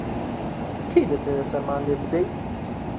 کەی دەتەوێ سەرمان لێ بدەی؟